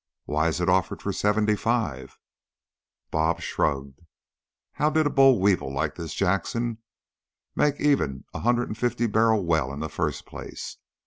"Why is it offered for seventy five?" "Bob" shrugged. "How did a 'boll weevil' like this Jackson ever make even a hundred and fifty barrel well, in the first place?